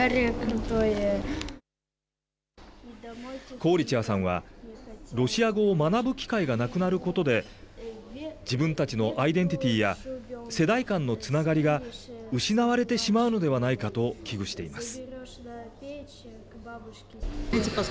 コーリチェワさんは、ロシア語を学ぶ機会がなくなることで、自分たちのアイデンティティーや世代間のつながりが失われてしまうのではないかと危惧しています。